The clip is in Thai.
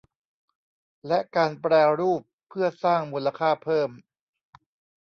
และการแปรรูปเพื่อสร้างมูลค่าเพิ่ม